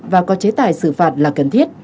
và có chế tài xử phạt là cần thiết